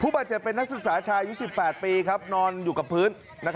ผู้ปัจจิเป็นนักศึกษาชายุ้ย๑๘ปีครับนอนอยู่กับพื้น